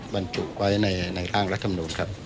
บรรจุไว้ในทางรัฐธรรมนูญครับ